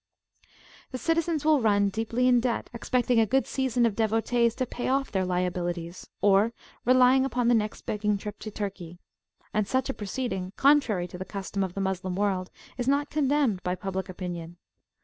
The citizens will run deeply in debt, expecting a good season of devotees to pay off their liabilities, or relying upon the next begging trip to Turkey; and such a proceeding, contrary to the custom of the Moslem world, is not condemned by public opinion.